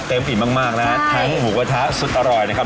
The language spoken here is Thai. เต็มอิ่มมากนะทั้งหูกระทะสุดอร่อยนะครับ